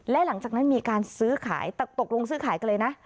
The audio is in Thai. และหลังจากนั้นมีการซื้อขายตกลงซื้อขายกันเลยนะ